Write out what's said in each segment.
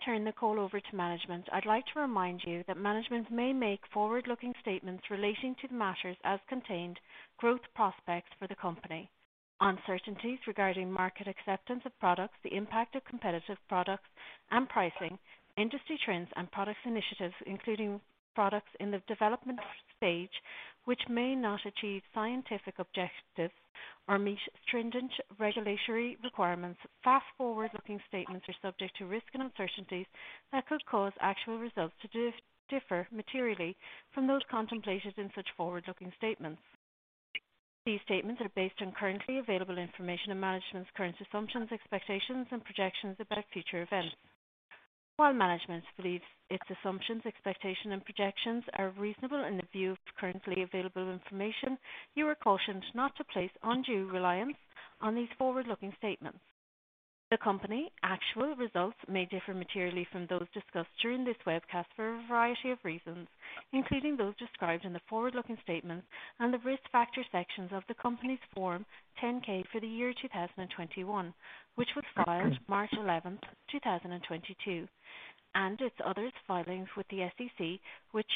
Before I turn the call over to management, I'd like to remind you that management may make forward-looking statements relating to the matters such as growth prospects for the company, uncertainties regarding market acceptance of products, the impact of competitive products and pricing, industry trends and product initiatives, including products in the development stage, which may not achieve scientific objectives or meet stringent regulatory requirements. Such forward-looking statements are subject to risks and uncertainties that could cause actual results to differ materially from those contemplated in such forward-looking statements. These statements are based on currently available information and management's current assumptions, expectations and projections about future events. While management believes its assumptions, expectations and projections are reasonable in the view of currently available information, you are cautioned not to place undue reliance on these forward-looking statements. The company's actual results may differ materially from those discussed during this webcast for a variety of reasons, including those described in the forward-looking statements and the Risk Factor sections of the company's Form 10-K for the year 2021, which was filed March 11th, 2022, and its other filings with the SEC, which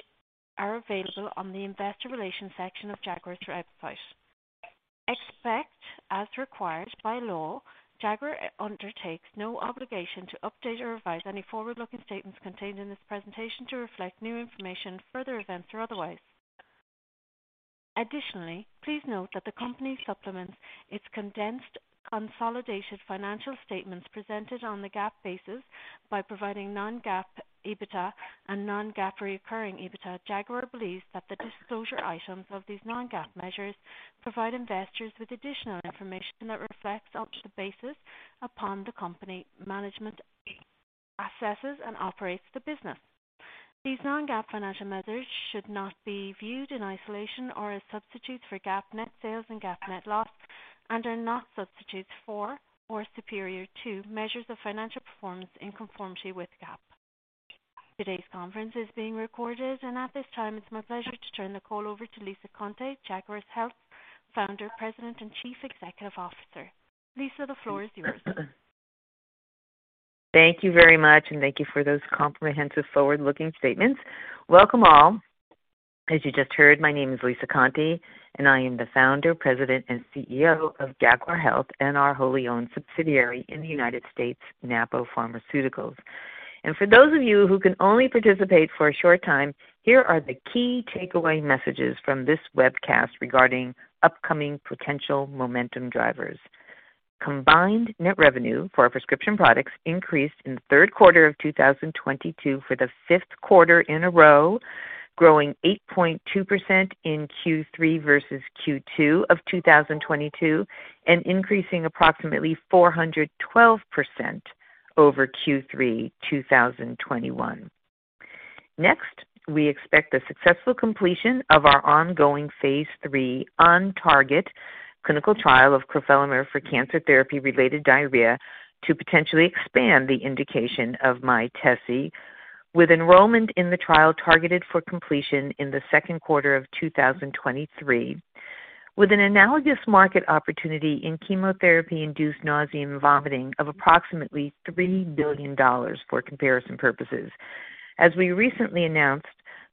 are available on the Investor Relations section of Jaguar's website. Except, as required by law, Jaguar undertakes no obligation to update or revise any forward-looking statements contained in this presentation to reflect new information, further events or otherwise. Additionally, please note that the company supplements its condensed consolidated financial statements presented on the GAAP basis by providing non-GAAP EBITDA and non-GAAP recurring EBITDA. Jaguar believes that the disclosure items of these non-GAAP measures provide investors with additional information that reflects the basis upon which the company's management assesses and operates the business. These non-GAAP financial measures should not be viewed in isolation or as substitutes for GAAP net sales and GAAP net loss and are not substitutes for or superior to measures of financial performance in conformity with GAAP. Today's conference is being recorded, and at this time, it's my pleasure to turn the call over to Lisa Conte, Jaguar Health Founder, President, and Chief Executive Officer. Lisa, the floor is yours. Thank you very much, and thank you for those comprehensive, forward-looking statements. Welcome all. As you just heard, my name is Lisa Conte, and I am the founder, president and CEO of Jaguar Health and our wholly owned subsidiary in the United States, Napo Pharmaceuticals. For those of you who can only participate for a short time, here are the key takeaway messages from this webcast regarding upcoming potential momentum drivers. Combined net revenue for our prescription products increased in the third quarter of 2022 for the fifth quarter in a row, growing 8.2% in Q3 versus Q2 of 2022 and increasing approximately 412% over Q3 2021. Next, we expect the successful completion of our ongoing phase III OnTarget clinical trial of crofelemer for cancer therapy-related diarrhea to potentially expand the indication of Mytesi, with enrollment in the trial targeted for completion in the second quarter of 2023, with an analogous market opportunity in chemotherapy-induced nausea and vomiting of approximately $3 billion for comparison purposes. As we recently announced,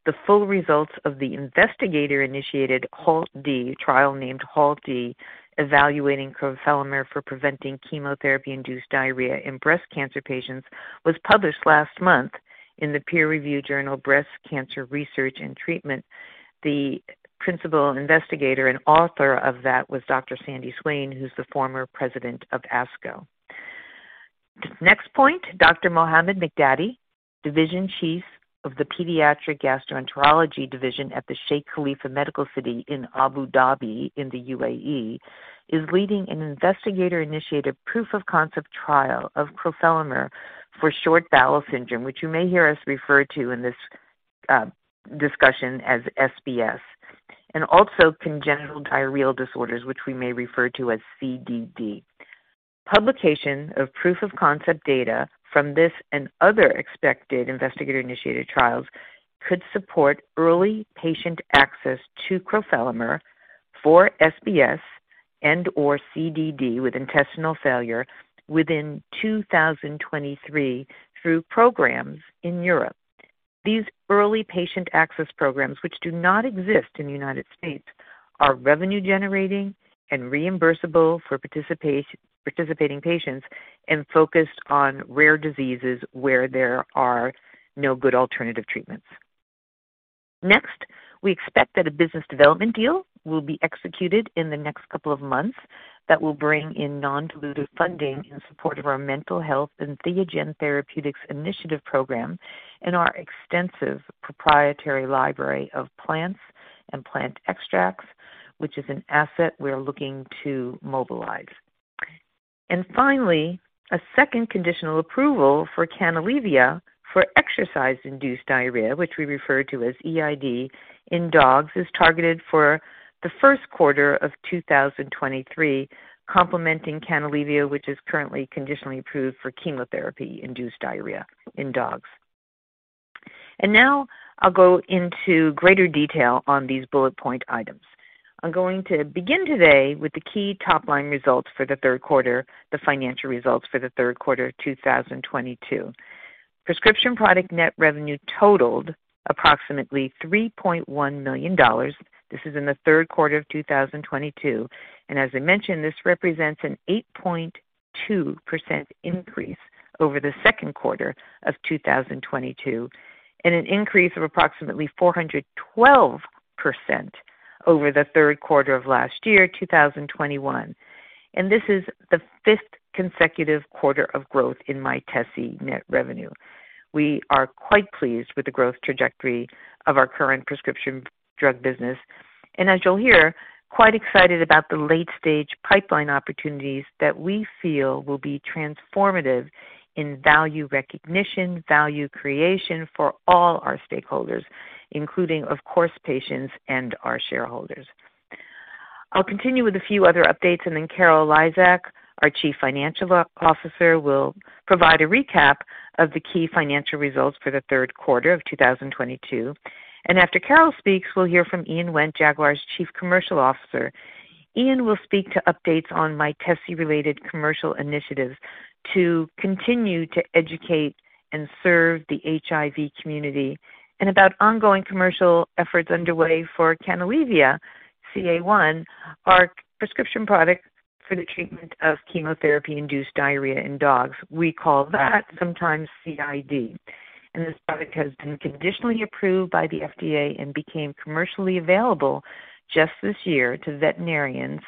the full results of the investigator-initiated HALT-D trial named HALT-D, evaluating crofelemer for preventing chemotherapy-induced diarrhea in breast cancer patients, was published last month in the peer review journal Breast Cancer Research and Treatment. The principal investigator and author of that was Dr. Sandra Swain, who's the former President of ASCO. Next point, Dr. Mohamad Miqdady, Division Chief of the Pediatric Gastroenterology Division at the Sheikh Khalifa Medical City in Abu Dhabi in the UAE, is leading an investigator-initiated proof of concept trial of crofelemer for short bowel syndrome, which you may hear us refer to in this discussion as SBS, and also congenital diarrheal disorders, which we may refer to as CDD. Publication of proof of concept data from this and other expected investigator-initiated trials could support early patient access to crofelemer for SBS and/or CDD with intestinal failure within 2023 through programs in Europe. These early patient access programs, which do not exist in the United States, are revenue generating and reimbursable for participating patients and focused on rare diseases where there are no good alternative treatments. Next, we expect that a business development deal will be executed in the next couple of months that will bring in non-dilutive funding in support of our mental health and Entheogen Therapeutics Initiative program and our extensive proprietary library of plants and plant extracts, which is an asset we are looking to mobilize. Finally, a second conditional approval for Canalevia for exercise-induced diarrhea, which we refer to as EID in dogs, is targeted for the first quarter of 2023 complementing Canalevia, which is currently conditionally approved for chemotherapy-induced diarrhea in dogs. Now I'll go into greater detail on these bullet point items. I'm going to begin today with the key top-line results for the third quarter, the financial results for the third quarter 2022. Prescription product net revenue totaled approximately $3.1 million. This is in the third quarter of 2022, and as I mentioned, this represents an 8.2% increase over the second quarter of 2022 and an increase of approximately 412% over the third quarter of last year, 2021. This is the fifth consecutive quarter of growth in Mytesi net revenue. We are quite pleased with the growth trajectory of our current prescription drug business and as you'll hear, quite excited about the late stage pipeline opportunities that we feel will be transformative in value recognition, value creation for all our stakeholders, including, of course, patients and our shareholders. I'll continue with a few other updates, and then Carol Lizak, our Chief Financial Officer, will provide a recap of the key financial results for the third quarter of 2022. After Carol speaks, we'll hear from Ian Wendt, Jaguar's Chief Commercial Officer. Ian will speak to updates on Mytesi-related commercial initiatives to continue to educate and serve the HIV community and about ongoing commercial efforts underway for Canalevia-CA1, our prescription product for the treatment of chemotherapy-induced diarrhea in dogs. We call that sometimes CID, and this product has been conditionally approved by the FDA and became commercially available just this year to veterinarians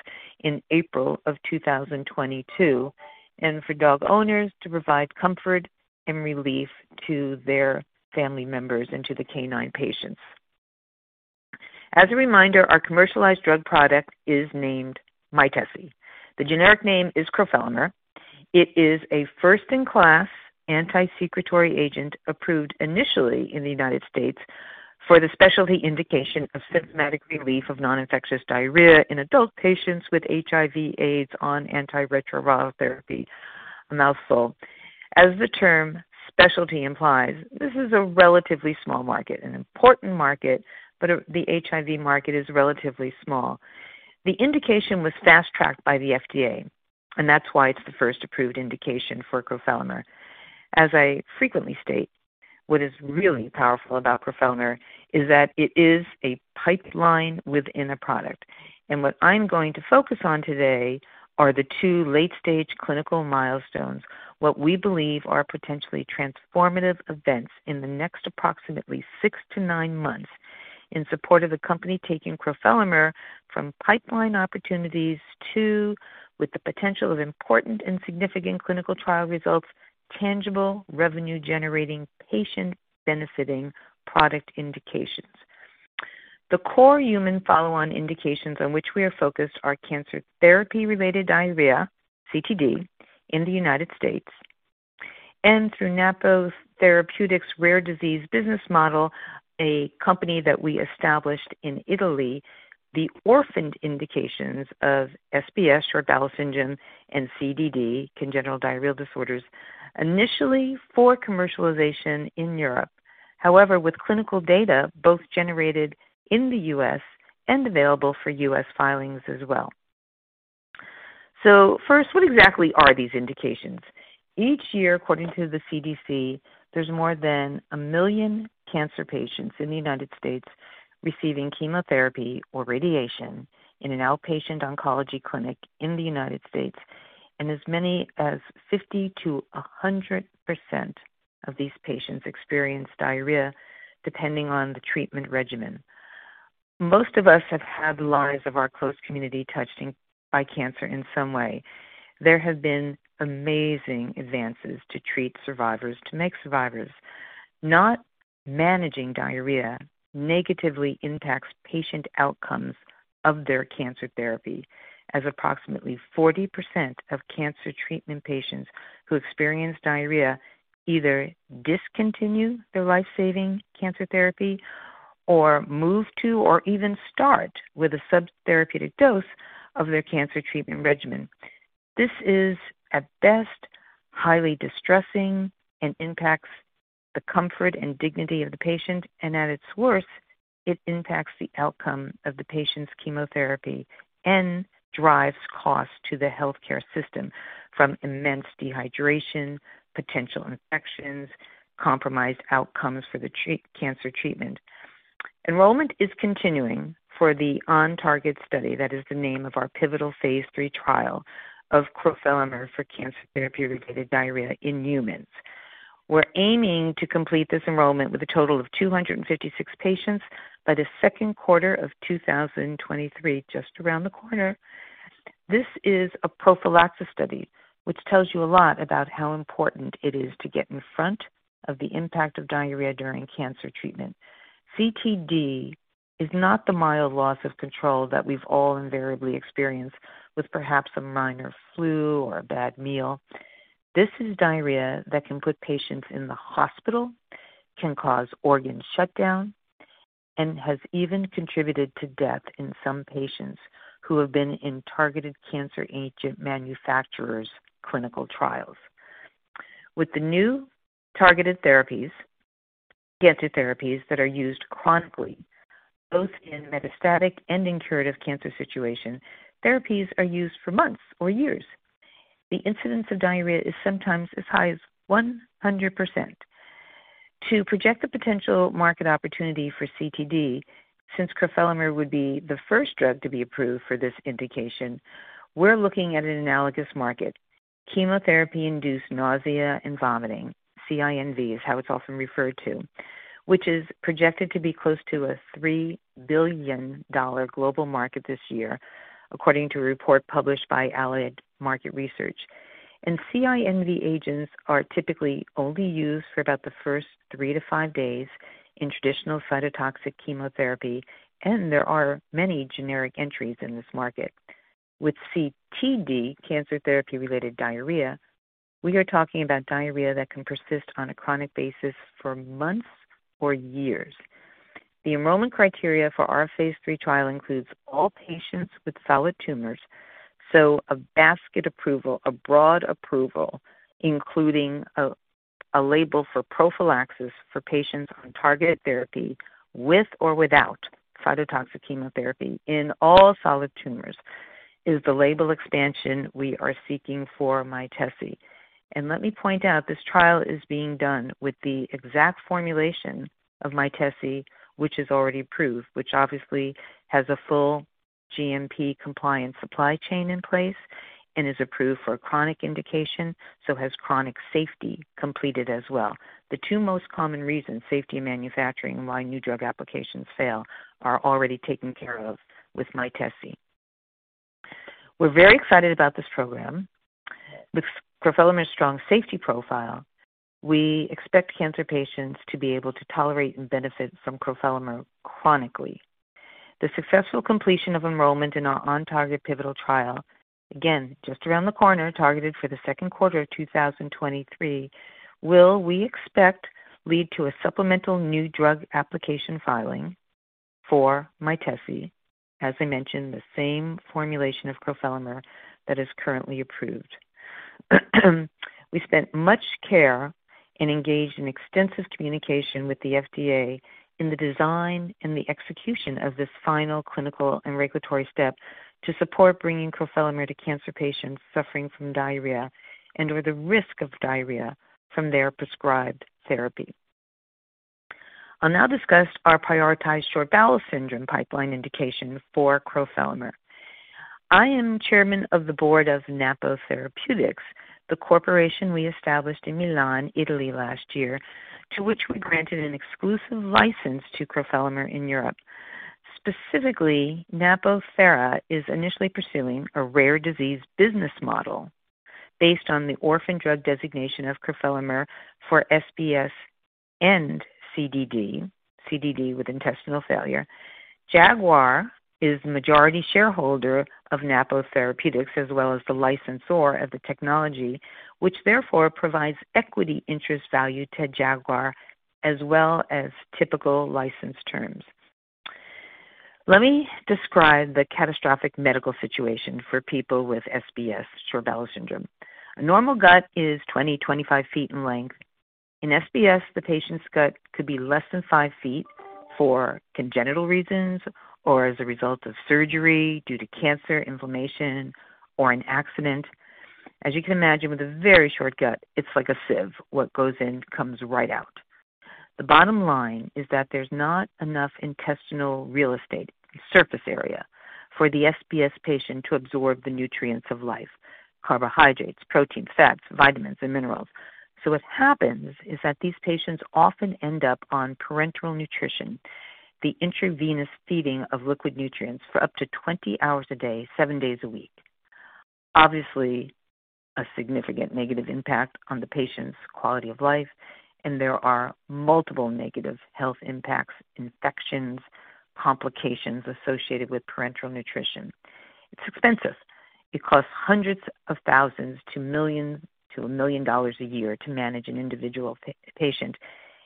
in April 2022, and for dog owners to provide comfort and relief to their family members and to the canine patients. As a reminder, our commercialized drug product is named Mytesi. The generic name is crofelemer. It is a first-in-class anti-secretory agent approved initially in the United States for the specialty indication of symptomatic relief of noninfectious diarrhea in adult patients with HIV/AIDS on antiretroviral therapy. A mouthful. As the term specialty implies, this is a relatively small market, an important market, but the HIV market is relatively small. The indication was fast-tracked by the FDA, and that's why it's the first approved indication for crofelemer. As I frequently state, what is really powerful about crofelemer is that it is a pipeline within a product. What I'm going to focus on today are the two late-stage clinical milestones, what we believe are potentially transformative events in the next approximately six to nine months in support of the company taking crofelemer from pipeline opportunities to, with the potential of important and significant clinical trial results, tangible revenue-generating, patient-benefiting product indications. The core human follow-on indications on which we are focused are cancer therapy-related diarrhea, CTD, in the United States, and through Napo Therapeutics' rare disease business model, a company that we established in Italy, the orphan indications of SBS, short bowel syndrome, and CDD, congenital diarrheal disorders, initially for commercialization in Europe. However, with clinical data both generated in the U.S. and available for U.S. filings as well. First, what exactly are these indications? Each year, according to the CDC, there's more than a million cancer patients in the United States receiving chemotherapy or radiation in an outpatient oncology clinic in the United States, and as many as 50%-100% of these patients experience diarrhea depending on the treatment regimen. Most of us have had lives of our close community touched by cancer in some way. There have been amazing advances to treat survivors, to make survivors. Not managing diarrhea negatively impacts patient outcomes of their cancer therapy, as approximately 40% of cancer treatment patients who experience diarrhea either discontinue their life-saving cancer therapy or move to or even start with a subtherapeutic dose of their cancer treatment regimen. This is at best highly distressing and impacts the comfort and dignity of the patient, and at its worst, it impacts the outcome of the patient's chemotherapy and drives cost to the healthcare system from immense dehydration, potential infections, compromised outcomes for the treat-cancer treatment. Enrollment is continuing for the OnTarget study. That is the name of our pivotal phase III trial of crofelemer for cancer therapy-related diarrhea in humans. We're aiming to complete this enrollment with a total of 256 patients by the second quarter of 2023, just around the corner. This is a prophylaxis study, which tells you a lot about how important it is to get in front of the impact of diarrhea during cancer treatment. CTD is not the mild loss of control that we've all invariably experienced with perhaps a minor flu or a bad meal. This is diarrhea that can put patients in the hospital, can cause organ shutdown. Has even contributed to death in some patients who have been in targeted cancer agent manufacturers' clinical trials. With the new targeted therapies, cancer therapies that are used chronically, both in metastatic and in curative cancer situation, therapies are used for months or years. The incidence of diarrhea is sometimes as high as 100%. To project the potential market opportunity for CTD, since crofelemer would be the first drug to be approved for this indication, we're looking at an analogous market. Chemotherapy-induced nausea and vomiting, CINV is how it's often referred to, which is projected to be close to a $3 billion global market this year, according to a report published by Allied Market Research. CINV agents are typically only used for about the first three to five days in traditional cytotoxic chemotherapy, and there are many generic entries in this market. With CTD, cancer therapy-related diarrhea, we are talking about diarrhea that can persist on a chronic basis for months or years. The enrollment criteria for our phase III trial includes all patients with solid tumors, so a basket approval, a broad approval, including a label for prophylaxis for patients on targeted therapy with or without cytotoxic chemotherapy in all solid tumors is the label expansion we are seeking for Mytesi. Let me point out, this trial is being done with the exact formulation of Mytesi, which is already approved, which obviously has a full GMP compliance supply chain in place and is approved for a chronic indication, so has chronic safety completed as well. The two most common reasons, safety and manufacturing, why new drug applications fail are already taken care of with Mytesi. We're very excited about this program. With crofelemer's strong safety profile, we expect cancer patients to be able to tolerate and benefit from crofelemer chronically. The successful completion of enrollment in our OnTarget pivotal trial, again, just around the corner, targeted for the second quarter of 2023, will, we expect, lead to a supplemental new drug application filing for Mytesi. As I mentioned, the same formulation of crofelemer that is currently approved. We spent much care and engaged in extensive communication with the FDA in the design and the execution of this final clinical and regulatory step to support bringing crofelemer to cancer patients suffering from diarrhea and/or the risk of diarrhea from their prescribed therapy. I'll now discuss our prioritized short bowel syndrome pipeline indication for crofelemer. I am Chairman of the Board of Napo Therapeutics, the corporation we established in Milan, Italy last year, to which we granted an exclusive license to crofelemer in Europe. Specifically, Napo Therapeutics is initially pursuing a rare disease business model based on the orphan drug designation of crofelemer for SBS and CDD with intestinal failure. Jaguar is the majority shareholder of Napo Therapeutics, as well as the licensor of the technology, which therefore provides equity interest value to Jaguar, as well as typical license terms. Let me describe the catastrophic medical situation for people with SBS, short bowel syndrome. A normal gut is 20 ft-25 ft in length. In SBS, the patient's gut could be less than 5 ft for congenital reasons or as a result of surgery due to cancer, inflammation, or an accident. As you can imagine, with a very short gut, it's like a sieve. What goes in comes right out. The bottom line is that there's not enough intestinal real estate, surface area, for the SBS patient to absorb the nutrients of life, carbohydrates, protein, fats, vitamins, and minerals. What happens is that these patients often end up on parenteral nutrition, the intravenous feeding of liquid nutrients for up to 20 hours a day, seven days a week. Obviously, a significant negative impact on the patient's quality of life, and there are multiple negative health impacts, infections, complications associated with parenteral nutrition. It's expensive. It costs hundreds of thousands to millions to $1 million a year to manage an individual patient,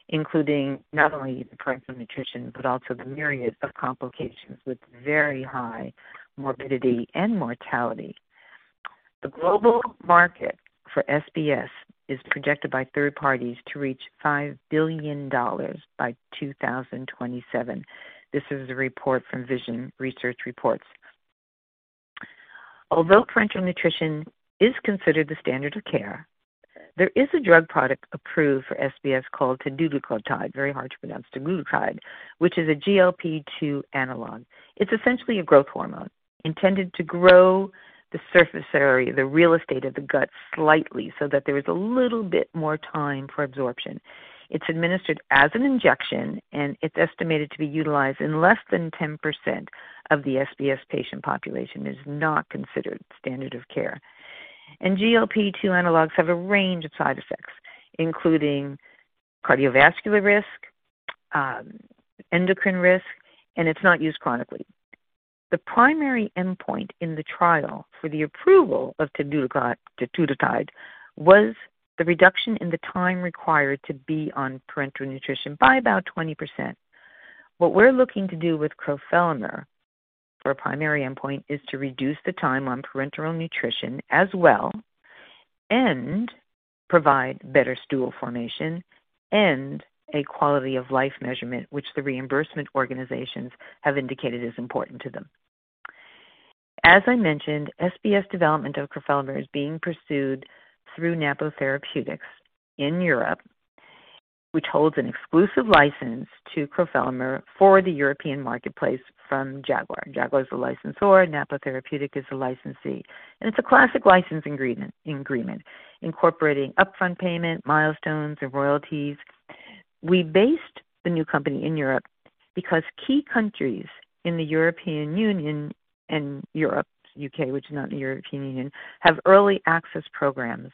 including not only the parenteral nutrition, but also the myriad of complications with very high morbidity and mortality. The global market for SBS is projected by third parties to reach $5 billion by 2027. This is a report from Vision Research Reports. Although parenteral nutrition is considered the standard of care, there is a drug product approved for SBS called teduglutide, very hard to pronounce, teduglutide, which is a GLP-2 analog. It's essentially a growth hormone intended to grow the surface area, the real estate of the gut slightly so that there is a little bit more time for absorption. It's administered as an injection, and it's estimated to be utilized in less than 10% of the SBS patient population. It is not considered standard of care. GLP-2 analogs have a range of side effects, including cardiovascular risk, endocrine risk, and it's not used chronically. The primary endpoint in the trial for the approval of teduglutide was the reduction in the time required to be on parenteral nutrition by about 20%. What we're looking to do with crofelemer for a primary endpoint is to reduce the time on parenteral nutrition as well and provide better stool formation and a quality of life measurement, which the reimbursement organizations have indicated is important to them. As I mentioned, SBS development of crofelemer is being pursued through Napo Therapeutics in Europe, which holds an exclusive license to crofelemer for the European marketplace from Jaguar. Jaguar is the licensor, Napo Therapeutics is the licensee, and it's a classic licensing agreement incorporating upfront payment, milestones and royalties. We based the new company in Europe because key countries in the European Union and Europe, U.K., which is not in the European Union, have early access programs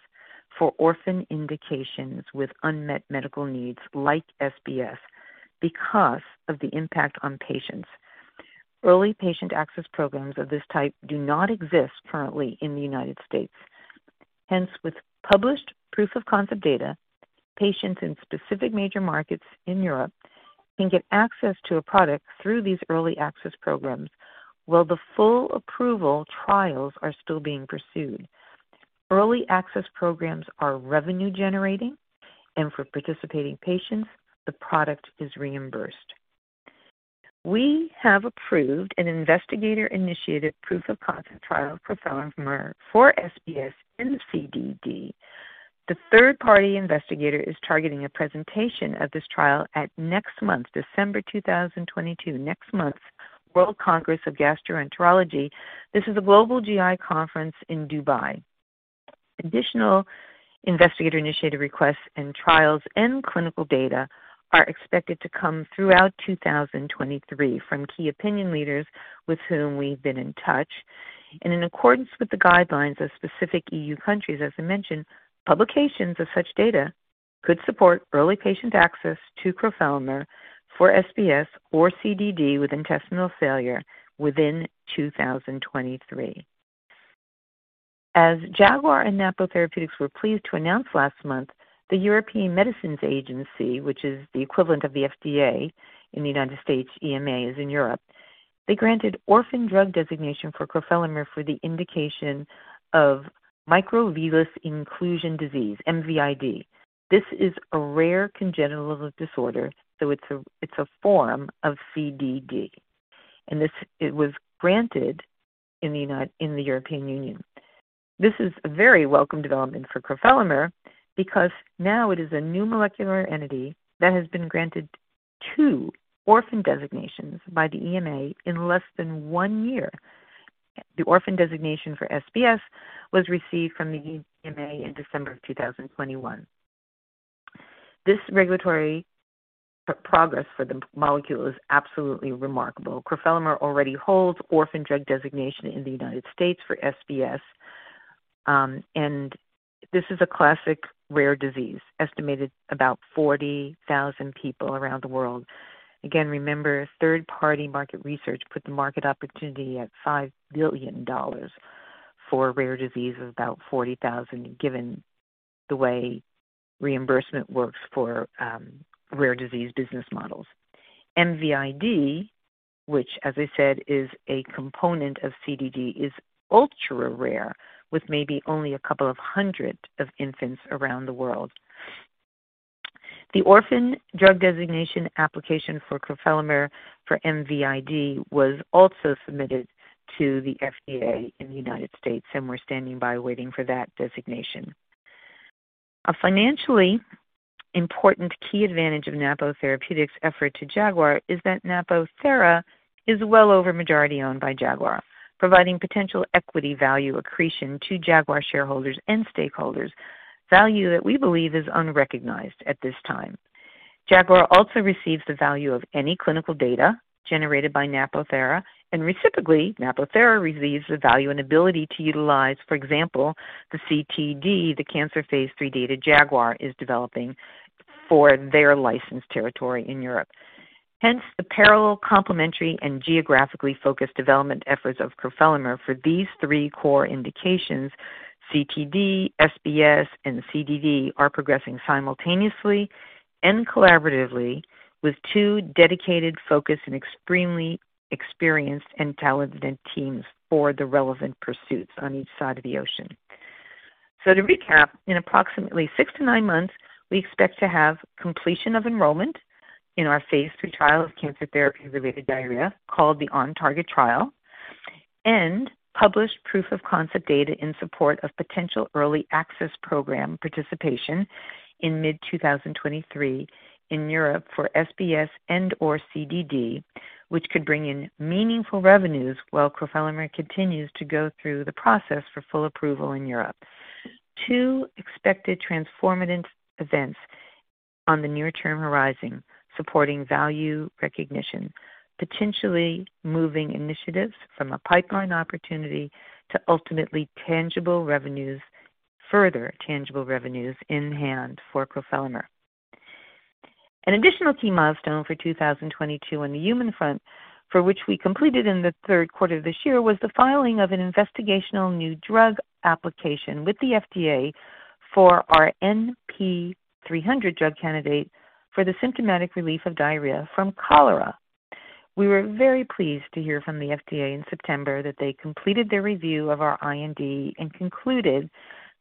for orphan indications with unmet medical needs like SBS because of the impact on patients. Early patient access programs of this type do not exist currently in the United States. Hence, with published proof-of-concept data, patients in specific major markets in Europe can get access to a product through these early access programs while the full approval trials are still being pursued. Early access programs are revenue generating and for participating patients, the product is reimbursed. We have approved an investigator-initiated proof-of-concept trial of crofelemer for SBS and CDD. The third-party investigator is targeting a presentation of this trial at next month, December 2022, next month's World Congress of Gastroenterology. This is a global GI conference in Dubai. Additional investigator-initiated requests and trials and clinical data are expected to come throughout 2023 from key opinion leaders with whom we've been in touch. In accordance with the guidelines of specific EU countries, as I mentioned, publications of such data could support early patient access to crofelemer for SBS or CDD with intestinal failure within 2023. As Jaguar and Napo Therapeutics were pleased to announce last month, the European Medicines Agency, which is the equivalent of the FDA in the United States, EMA is in Europe. They granted orphan drug designation for crofelemer for the indication of microvillous inclusion disease, MVID. This is a rare congenital disorder, so it's a form of CDD. It was granted in the European Union. This is a very welcome development for crofelemer because now it is a new molecular entity that has been granted two orphan designations by the EMA in less than one year. The orphan designation for SBS was received from the EMA in December 2021. This regulatory progress for the molecule is absolutely remarkable. crofelemer already holds orphan drug designation in the United States for SBS. This is a classic rare disease, estimated about 40,000 people around the world. Again, remember, third-party market research put the market opportunity at $5 billion for rare diseases, about 40,000, given the way reimbursement works for rare disease business models. MVID, which as I said, is a component of CDD, is ultra rare with maybe only a couple of hundred of infants around the world. The orphan drug designation application for crofelemer for MVID was also submitted to the FDA in the United States, and we're standing by waiting for that designation. A financially important key advantage of Napo Therapeutics effort to Jaguar is that Napo Thera is well over majority owned by Jaguar, providing potential equity value accretion to Jaguar shareholders and stakeholders. Value that we believe is unrecognized at this time. Jaguar also receives the value of any clinical data generated by Napo Thera, and reciprocally, Napo Thera receives the value and ability to utilize, for example, the CTD, the cancer phase III data Jaguar is developing for their licensed territory in Europe. Hence, the parallel, complementary and geographically focused development efforts of crofelemer for these three core indications, CTD, SBS, and CDD, are progressing simultaneously and collaboratively with two dedicated, focused, and extremely experienced and talented teams for the relevant pursuits on each side of the ocean. To recap, in approximately six to nine months, we expect to have completion of enrollment in our phase III trial of cancer therapy-related diarrhea called the OnTarget trial, and published proof-of-concept data in support of potential early access program participation in mid-2023 in Europe for SBS and or CDD, which could bring in meaningful revenues while crofelemer continues to go through the process for full approval in Europe. Two expected transformative events on the near-term horizon supporting value recognition, potentially moving initiatives from a pipeline opportunity to ultimately tangible revenues, further tangible revenues in hand for crofelemer. An additional key milestone for 2022 on the human front, for which we completed in the third quarter of this year, was the filing of an investigational new drug application with the FDA for our NP-300 drug candidate for the symptomatic relief of diarrhea from cholera. We were very pleased to hear from the FDA in September that they completed their review of our IND and concluded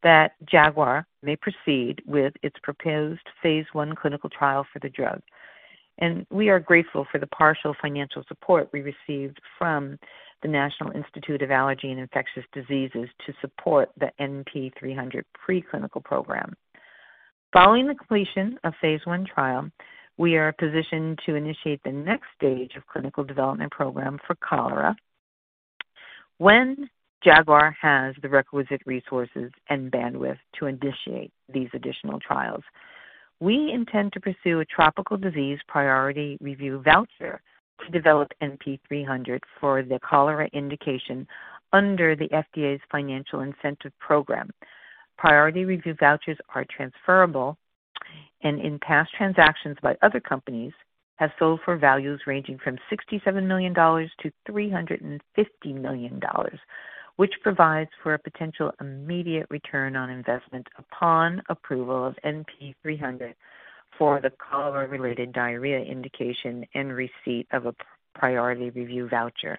that Jaguar may proceed with its proposed phase I clinical trial for the drug. We are grateful for the partial financial support we received from the National Institute of Allergy and Infectious Diseases to support the NP-300 preclinical program. Following the completion of phase I trial, we are positioned to initiate the next stage of clinical development program for cholera. When Jaguar has the requisite resources and bandwidth to initiate these additional trials, we intend to pursue a tropical disease priority review voucher to develop NP-300 for the cholera indication under the FDA's financial incentive program. Priority review vouchers are transferable and in past transactions by other companies, have sold for values ranging from $67 million-$350 million, which provides for a potential immediate return on investment upon approval of NP-300 for the cholera-related diarrhea indication and receipt of a priority review voucher.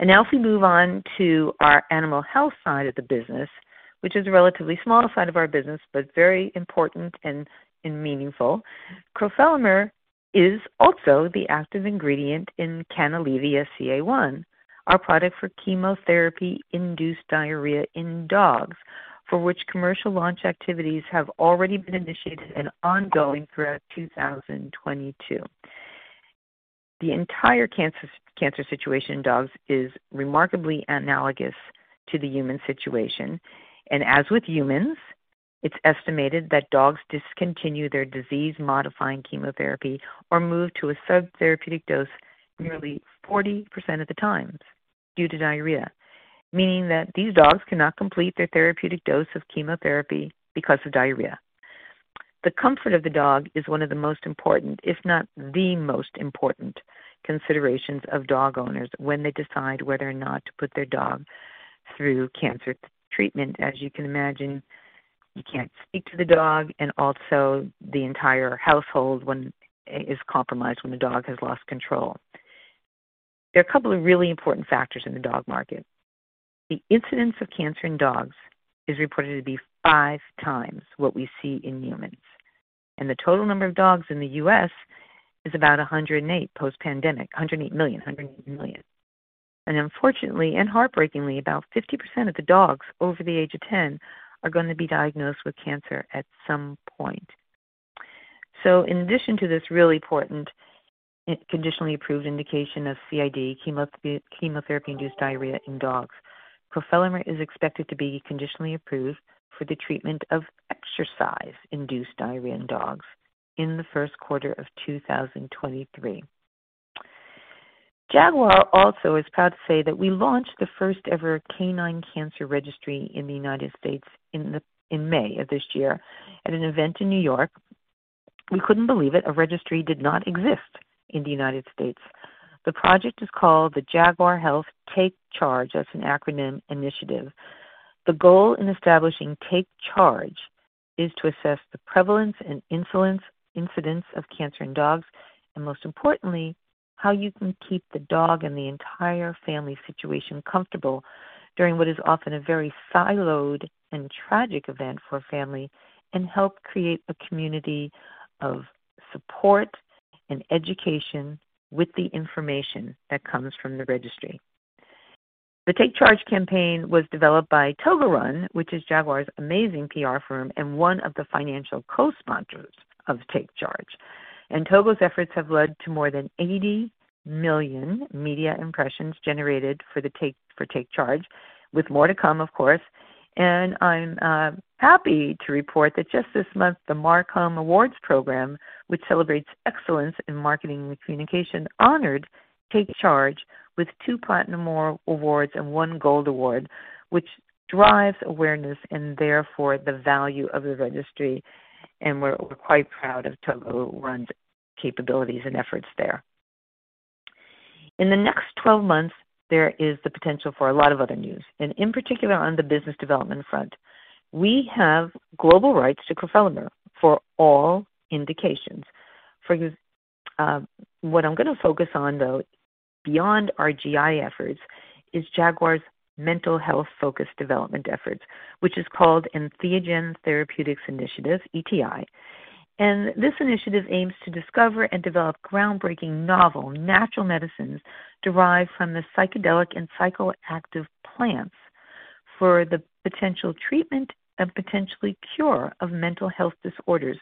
Now if we move on to our animal health side of the business, which is a relatively small side of our business, but very important and meaningful. crofelemer is also the active ingredient in Canalevia-CA1, our product for chemotherapy-induced diarrhea in dogs, for which commercial launch activities have already been initiated and ongoing throughout 2022. The entire cancer situation in dogs is remarkably analogous to the human situation. As with humans, it's estimated that dogs discontinue their disease-modifying chemotherapy or move to a subtherapeutic dose nearly 40% of the time due to diarrhea, meaning that these dogs cannot complete their therapeutic dose of chemotherapy because of diarrhea. The comfort of the dog is one of the most important, if not the most important considerations of dog owners when they decide whether or not to put their dog through cancer treatment. As you can imagine, you can't speak to the dog and also the entire household is compromised when the dog has lost control. There are a couple of really important factors in the dog market. The incidence of cancer in dogs is reported to be 5x what we see in humans, and the total number of dogs in the U.S. is about 108 million post-pandemic. Unfortunately and heartbreakingly, about 50% of the dogs over the age of 10 are going to be diagnosed with cancer at some point. In addition to this really important conditionally approved indication of CID, chemotherapy-induced diarrhea in dogs, crofelemer is expected to be conditionally approved for the treatment of exercise-induced diarrhea in dogs in the first quarter of 2023. Jaguar also is proud to say that we launched the first ever canine cancer registry in the United States in May of this year at an event in New York. We couldn't believe it. A registry did not exist in the United States. The project is called the Jaguar Health Take C.H.A.R.G.E, that's an acronym, initiative. The goal in establishing Take C.H.A.R.G.E is to assess the prevalence and incidence of cancer in dogs, and most importantly, how you can keep the dog and the entire family situation comfortable during what is often a very siloed and tragic event for a family, and help create a community of support and education with the information that comes from the registry. The Take C.H.A.R.G.E campaign was developed by TogoRun, which is Jaguar's amazing PR firm and one of the financial co-sponsors of Take C.H.A.R.G.Ee. Togo's efforts have led to more than 80 million media impressions generated for Take C.H.A.R.G.E with more to come, of course. I'm happy to report that just this month, the MarCom Awards program, which celebrates excellence in marketing and communication, honored Take C.H.A.R.G.E with two platinum awards and one gold award, which drives awareness and therefore the value of the registry. We're quite proud of TogoRun's capabilities and efforts there. In the next twelve months, there is the potential for a lot of other news and in particular on the business development front. We have global rights to crofelemer for all indications. What I'm gonna focus on, though, beyond our GI efforts, is Jaguar's mental health-focused development efforts, which is called Entheogen Therapeutics Initiative, ETI. This initiative aims to discover and develop groundbreaking novel natural medicines derived from the psychedelic and psychoactive plants for the potential treatment and potentially cure of mental health disorders.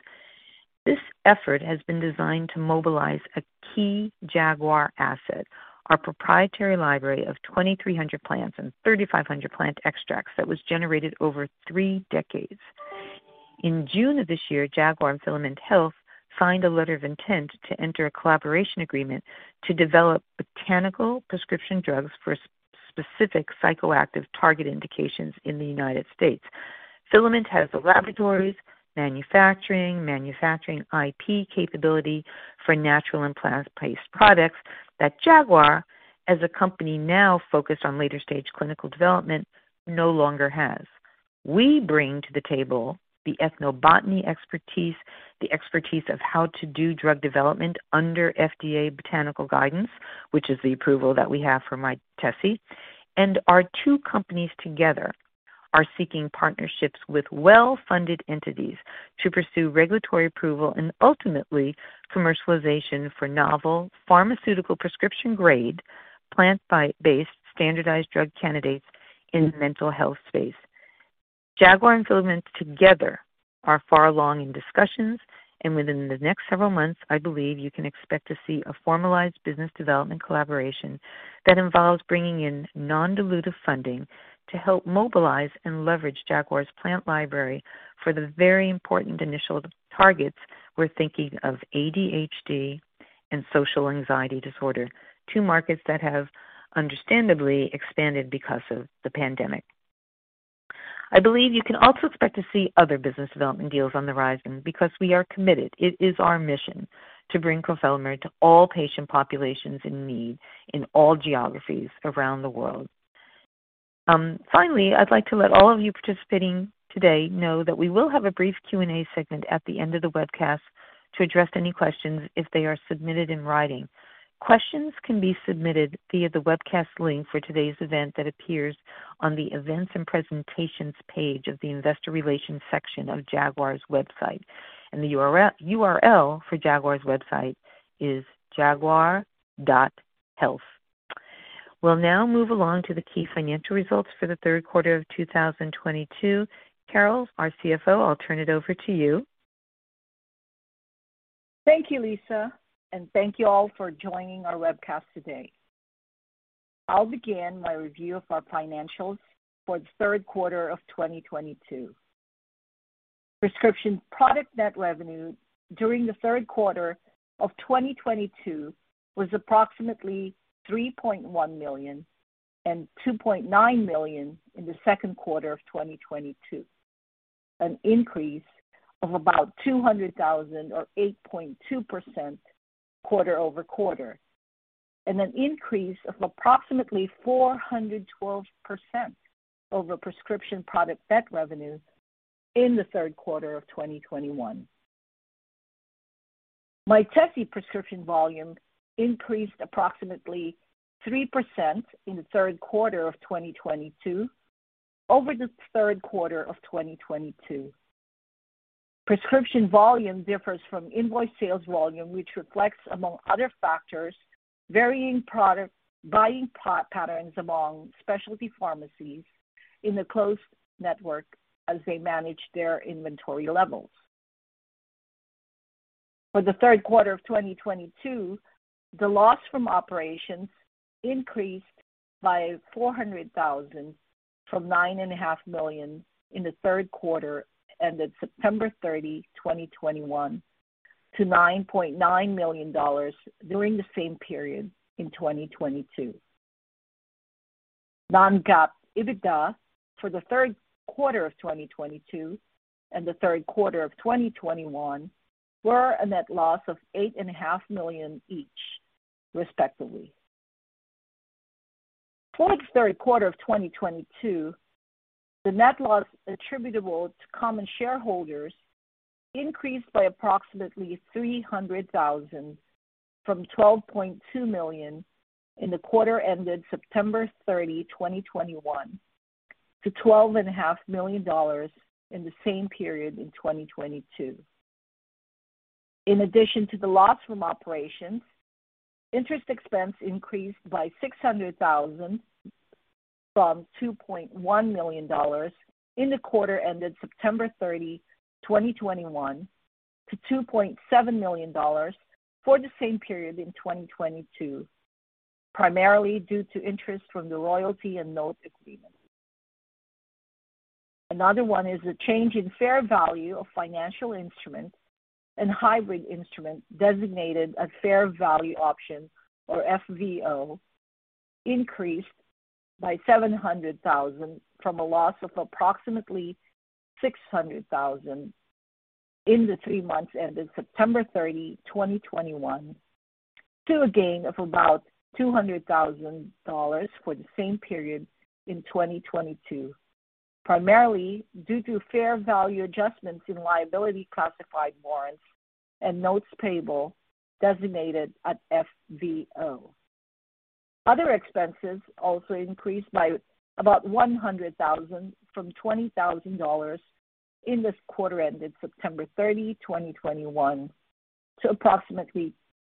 This effort has been designed to mobilize a key Jaguar asset, our proprietary library of 2,300 plants and 3,500 plant extracts that was generated over three decades. In June of this year, Jaguar and Filament Health signed a letter of intent to enter a collaboration agreement to develop botanical prescription drugs for specific psychoactive target indications in the United States. Filament has the laboratories, manufacturing IP capability for natural and plant-based products that Jaguar, as a company now focused on later stage clinical development, no longer has. We bring to the table the ethnobotany expertise, the expertise of how to do drug development under FDA botanical guidance, which is the approval that we have for Mytesi. Our two companies together are seeking partnerships with well-funded entities to pursue regulatory approval and ultimately commercialization for novel pharmaceutical prescription grade, plant-based, standardized drug candidates in the mental health space. Jaguar and Filament together are far along in discussions, and within the next several months, I believe you can expect to see a formalized business development collaboration that involves bringing in non-dilutive funding to help mobilize and leverage Jaguar's plant library for the very important initial targets. We're thinking of ADHD and social anxiety disorder, two markets that have understandably expanded because of the pandemic. I believe you can also expect to see other business development deals on the horizon because we are committed. It is our mission to bring crofelemer to all patient populations in need in all geographies around the world. Finally, I'd like to let all of you participating today know that we will have a brief Q&A segment at the end of the webcast to address any questions if they are submitted in writing. Questions can be submitted via the webcast link for today's event that appears on the Events and Presentations page of the Investor Relations section of Jaguar's website. The URL for Jaguar's website is jaguar.health. We'll now move along to the key financial results for the third quarter of 2022. Carol, our CFO, I'll turn it over to you. Thank you, Lisa, and thank you all for joining our webcast today. I'll begin my review of our financials for the third quarter of 2022. Prescription product net revenue during the third quarter of 2022 was approximately $3.1 million and $2.9 million in the second quarter of 2022, an increase of about $200,000 or 8.2% quarter-over-quarter, and an increase of approximately 412% over prescription product net revenue in the third quarter of 2021. Mytesi prescription volume increased approximately 3% in the third quarter of 2022 over the third quarter of 2021. Prescription volume differs from invoice sales volume, which reflects, among other factors, varying product buying patterns among specialty pharmacies in the closed network as they manage their inventory levels. For the third quarter of 2022, the loss from operations increased by $400,000 from $9.5 million in the third quarter ended September 30, 2021, to $9.9 million during the same period in 2022. Non-GAAP EBITDA for the third quarter of 2022 and the third quarter of 2021 were a net loss of $8.5 million each, respectively. For the third quarter of 2022, the net loss attributable to common shareholders increased by approximately $300,000 from $12.2 million in the quarter ended September 30, 2021, to $12.5 Million in the same period in 2022. In addition to the loss from operations, interest expense increased by $600,000 from $2.1 million in the quarter ended September 30, 2021, to $2.7 million for the same period in 2022, primarily due to interest from the royalty and notes agreement. Another one is a change in fair value of financial instruments and hybrid instruments designated a fair value option, or FVO, increased by $700,000 from a loss of approximately $600,000 in the three months ended September 30, 2021, to a gain of about $200,000 for the same period in 2022, primarily due to fair value adjustments in liability-classified warrants and notes payable designated at FVO. Other expenses also increased by about $100,000 from $20,000 in this quarter ended September 30, 2021, to approximately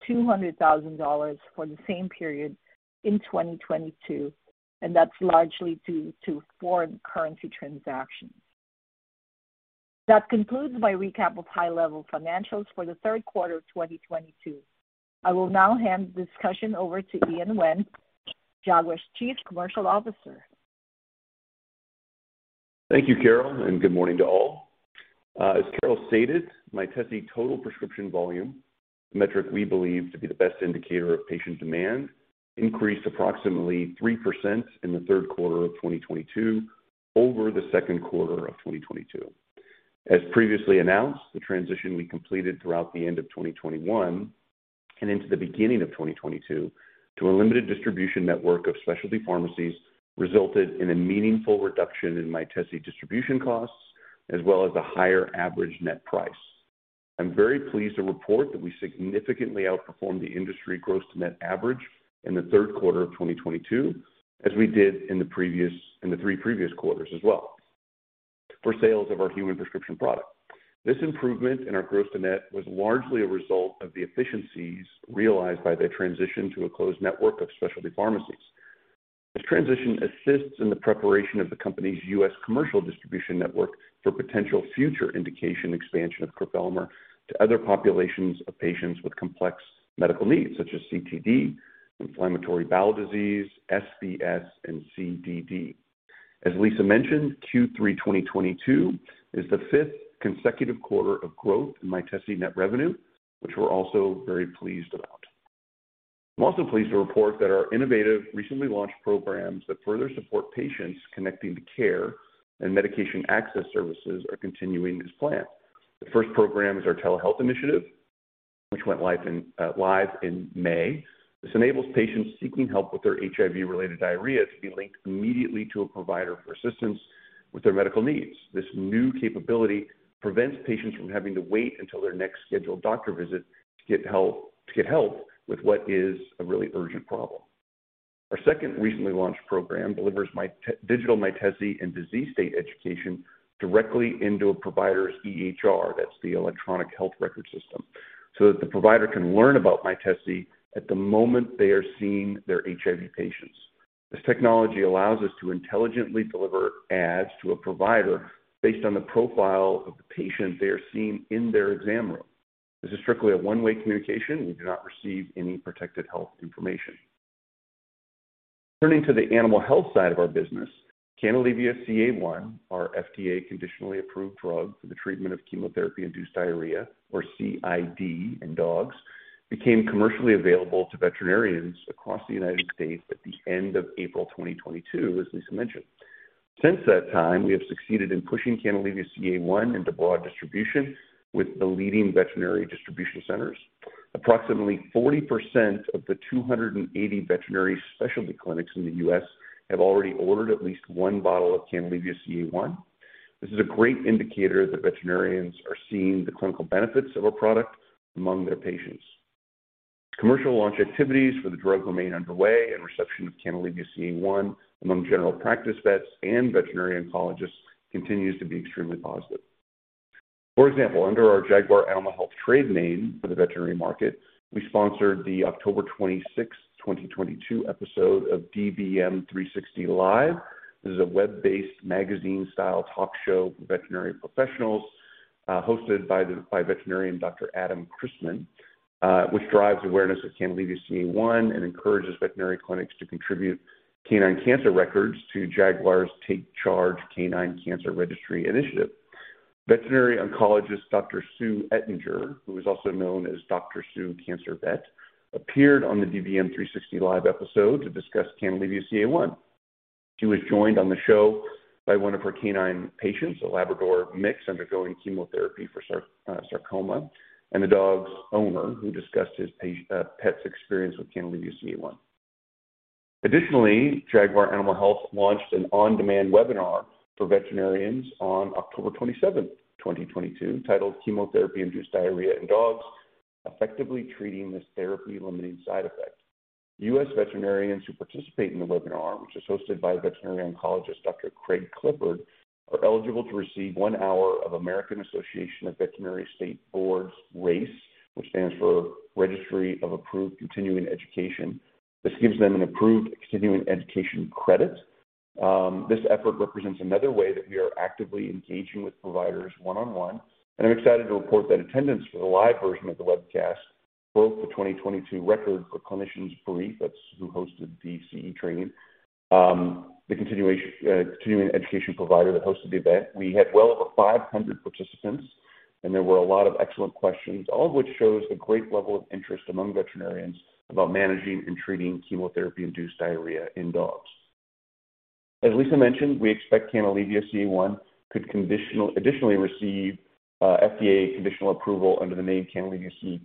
$200,000 for the same period in 2022, and that's largely due to foreign currency transactions. That concludes my recap of high-level financials for the third quarter of 2022. I will now hand the discussion over to Ian Wendt, Jaguar's Chief Commercial Officer. Thank you, Carol, and good morning to all. As Carol stated, Mytesi total prescription volume metric, we believe to be the best indicator of patient demand, increased approximately 3% in the third quarter of 2022 over the second quarter of 2022. As previously announced, the transition we completed throughout the end of 2021 and into the beginning of 2022 to a limited distribution network of specialty pharmacies resulted in a meaningful reduction in Mytesi distribution costs as well as a higher average net price. I'm very pleased to report that we significantly outperformed the industry gross-to-net average in the third quarter of 2022, as we did in the three previous quarters as well for sales of our human prescription product. This improvement in our gross net was largely a result of the efficiencies realized by the transition to a closed network of specialty pharmacies. This transition assists in the preparation of the company's U.S. commercial distribution network for potential future indication expansion of crofelemer to other populations of patients with complex medical needs such as CTD, inflammatory bowel disease, SBS, and CDD. As Lisa mentioned, Q3 2022 is the fifth consecutive quarter of growth in Mytesi net revenue, which we're also very pleased about. I'm also pleased to report that our innovative, recently launched programs that further support patients connecting to care and medication access services are continuing as planned. The first program is our telehealth initiative, which went live in May. This enables patients seeking help with their HIV-related diarrhea to be linked immediately to a provider for assistance with their medical needs. This new capability prevents patients from having to wait until their next scheduled doctor visit to get help with what is a really urgent problem. Our second recently launched program delivers digital Mytesi and disease state education directly into a provider's EHR, that's the electronic health record system, so that the provider can learn about Mytesi at the moment they are seeing their HIV patients. This technology allows us to intelligently deliver ads to a provider based on the profile of the patient they are seeing in their exam room. This is strictly a one-way communication. We do not receive any protected health information. Turning to the animal health side of our business, Canalevia-CA1, our FDA conditionally approved drug for the treatment of chemotherapy-induced diarrhea, or CID in dogs, became commercially available to veterinarians across the United States at the end of April 2022, as Lisa mentioned. Since that time, we have succeeded in pushing Canalevia-CA1 into broad distribution with the leading veterinary distribution centers. Approximately 40% of the 280 veterinary specialty clinics in the U.S. have already ordered at least one bottle of Canalevia-CA1. This is a great indicator that veterinarians are seeing the clinical benefits of a product among their patients. Commercial launch activities for the drug remain underway and reception of Canalevia-CA1 among general practice vets and veterinary oncologists continues to be extremely positive. For example, under our Jaguar Animal Health trade name for the veterinary market, we sponsored the October 26, 2022 episode of dvm360 Live! This is a web-based magazine-style talk show for veterinary professionals, hosted by veterinarian Dr. Adam Christman, which drives awareness of Canalevia-CA1 and encourages veterinary clinics to contribute canine cancer records to Jaguar's Take C.H.A.R.G.E. Canine Cancer Registry Initiative. Veterinary oncologist Dr. Sue Ettinger, who is also known as Dr. Sue Cancer Vet, appeared on the dvm360 Live! episode to discuss Canalevia-CA1. She was joined on the show by one of her canine patients, a Labrador mix undergoing chemotherapy for sarcoma, and the dog's owner, who discussed his pet's experience with Canalevia-CA1. Additionally, Jaguar Animal Health launched an on-demand webinar for veterinarians on October 27, 2022, titled Chemotherapy-Induced Diarrhea in Dogs: Effectively Treating This Therapy-Limiting Side Effect. U.S. veterinarians who participate in the webinar, which is hosted by veterinary oncologist Dr. Craig Clifford, are eligible to receive one hour of American Association of Veterinary State Boards RACE, which stands for Registry of Approved Continuing Education. This gives them an approved continuing education credit. This effort represents another way that we are actively engaging with providers one-on-one, and I'm excited to report that attendance for the live version of the webcast broke the 2022 record for Clinician's Brief, that's who hosted the CE training. The continuing education provider that hosted the event. We had well over 500 participants, and there were a lot of excellent questions, all of which shows the great level of interest among veterinarians about managing and treating chemotherapy-induced diarrhea in dogs. As Lisa mentioned, we expect Canalevia-CA1 could additionally receive FDA conditional approval under the name Canalevia-CA2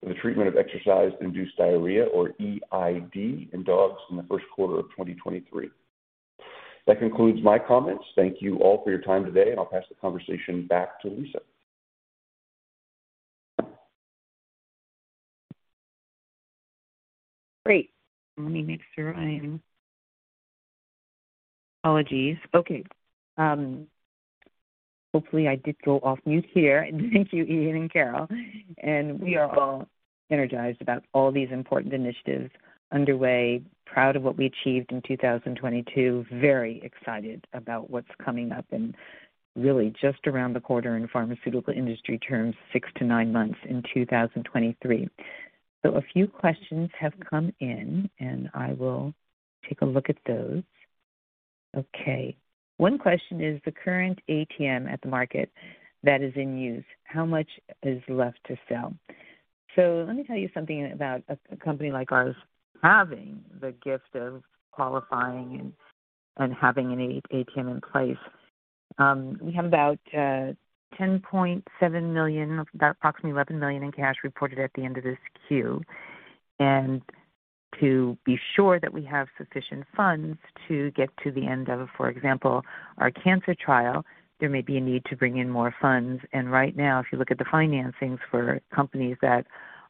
for the treatment of exercise-induced diarrhea or EID in dogs in the first quarter of 2023. That concludes my comments. Thank you all for your time today, and I'll pass the conversation back to Lisa. Great. Okay. Hopefully, I did go off mute here. Thank you, Ian and Carol. We are all energized about all these important initiatives underway, proud of what we achieved in 2022. Very excited about what's coming up, and really just around the corner in pharmaceutical industry terms, six to nine months in 2023. A few questions have come in, and I will take a look at those. Okay. One question is the current ATM at the market that is in use, how much is left to sell? Let me tell you something about a company like ours having the gift of qualifying and having an at-the-market ATM in place. We have about $10.7 million, about approximately $11 million in cash reported at the end of this Q. To be sure that we have sufficient funds to get to the end of, for example, our cancer trial, there may be a need to bring in more funds. Right now, if you look at the financings for companies that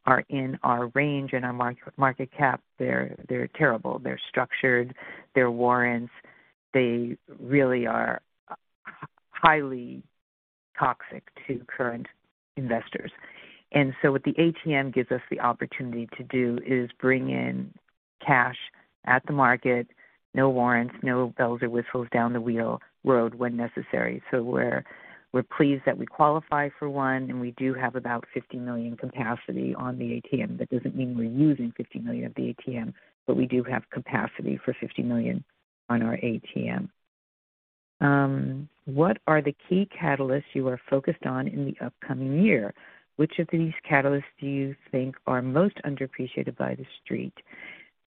are in our range and our market cap, they're terrible. They're structured, they're warrants. They really are highly toxic to current investors. What the ATM gives us the opportunity to do is bring in cash at the market, no warrants, no bells or whistles down the road when necessary. We're pleased that we qualify for one, and we do have about $50 million capacity on the ATM. That doesn't mean we're using $50 million of the ATM, but we do have capacity for $50 million on our ATM. What are the key catalysts you are focused on in the upcoming year? Which of these catalysts do you think are most underappreciated by The Street?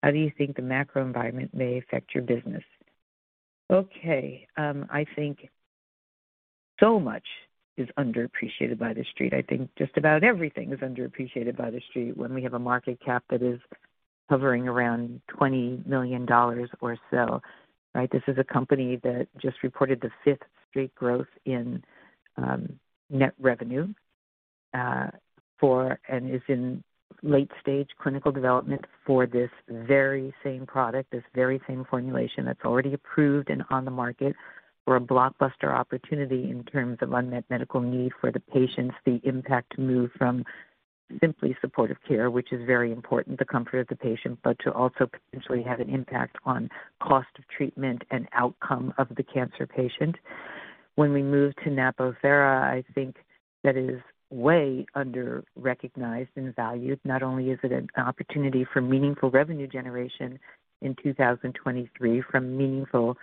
How do you think the macro environment may affect your business? Okay, I think so much is underappreciated by The Street. I think just about everything is underappreciated by The Street when we have a market cap that is hovering around $20 million or so, right? This is a company that just reported the fifth straight growth in net revenue and is in late stage clinical development for this very same product, this very same formulation that's already approved and on the market for a blockbuster opportunity in terms of unmet medical need for the patients, the impact to move from simply supportive care, which is very important, the comfort of the patient, but to also potentially have an impact on cost of treatment and outcome of the cancer patient. When we move Napo Therapeutics, i think that is way under-recognized and valued. Not only is it an opportunity for meaningful revenue generation in 2023 from meaningful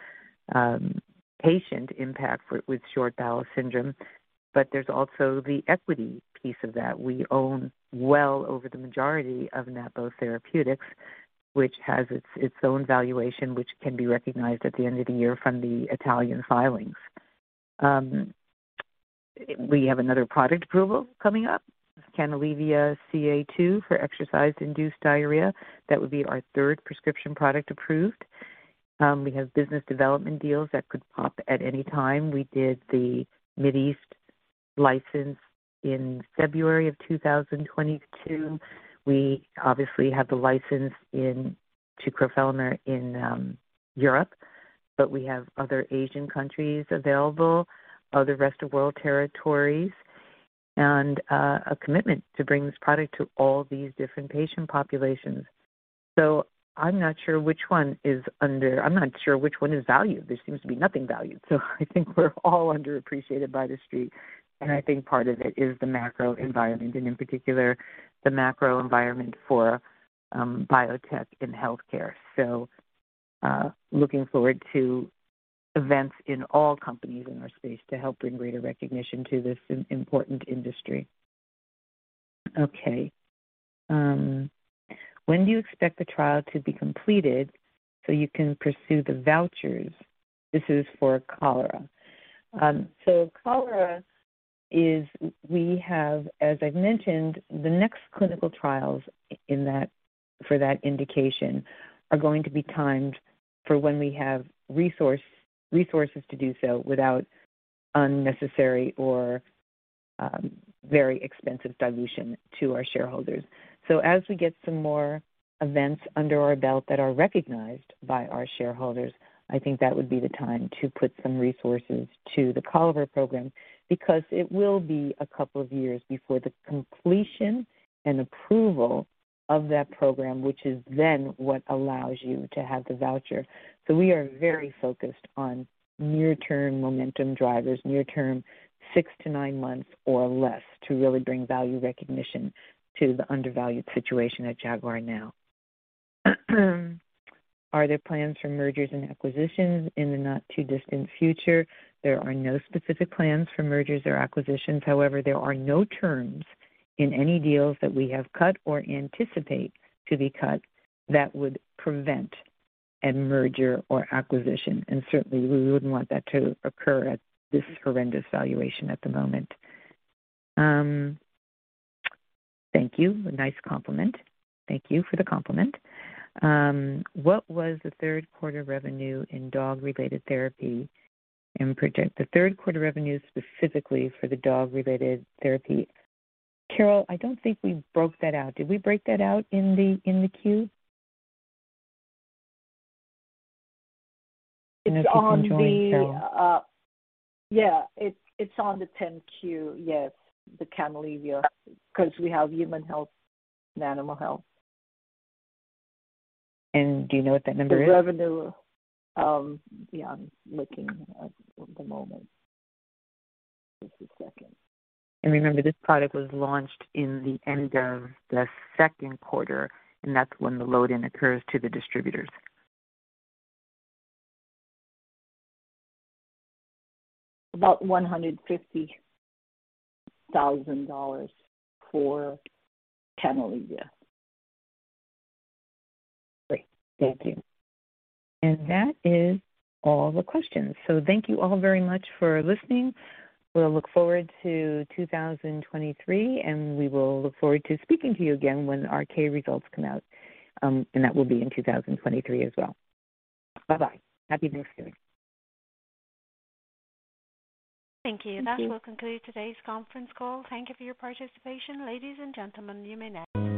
patient impact with short bowel syndrome, but there's also the equity piece of that. We own well over the majority Napo Therapeutics, which has its own valuation, which can be recognized at the end of the year from the Italian filings. We have another product approval coming up, Canalevia-CA2 for exercise-induced diarrhea. That would be our third prescription product approved. We have business development deals that could pop at any time. We did the Middle East license in February of 2022. We obviously have the license to crofelemer in Europe, but we have other Asian countries available, other rest-of-world territories, and a commitment to bring this product to all these different patient populations. I'm not sure which one is valued. There seems to be nothing valued. I think we're all underappreciated by The Street, and I think part of it is the macro environment, and in particular, the macro environment for biotech and healthcare. Looking forward to events in all companies in our space to help bring greater recognition to this important industry. Okay, when do you expect the trial to be completed so you can pursue the vouchers? This is for cholera. We have, as I've mentioned, the next clinical trials for that indication are going to be timed for when we have resources to do so without unnecessary or very expensive dilution to our shareholders. As we get some more events under our belt that are recognized by our shareholders, I think that would be the time to put some resources to the cholera program, because it will be a couple of years before the completion and approval of that program, which is then what allows you to have the voucher. We are very focused on near-term momentum drivers, six to nine months or less, to really bring value recognition to the undervalued situation at Jaguar now. Are there plans for mergers and acquisitions in the not-too-distant future? There are no specific plans for mergers or acquisitions. However, there are no terms in any deals that we have cut or anticipate to be cut that would prevent a merger or acquisition, and certainly, we wouldn't want that to occur at this horrendous valuation at the moment. Thank you. A nice compliment. Thank you for the compliment. What was the third quarter revenue specifically for the dog-related therapy. Carol, I don't think we broke that out. Did we break that out in the, in the Q? And if you can join Carol. It's on the 10-Q. Yeah. It's on the 10-Q. Yes. The Canalevia. 'Cause we have human health and animal health. Do you know what that number is? The revenue. Yeah, I'm looking at the moment. Just a second. Remember, this product was launched in the end of the second quarter, and that's when the load-in occurs to the distributors. About $150,000 for Canalevia. Great. Thank you. That is all the questions. Thank you all very much for listening. We'll look forward to 2023, and we will look forward to speaking to you again when our 10-K results come out, and that will be in 2023 as well. Bye-bye. Happy Thanksgiving. Thank you. Thank you. That will conclude today's conference call. Thank you for your participation. Ladies and gentlemen, you may now.